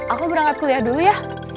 aku berangkat kuliah dulu ya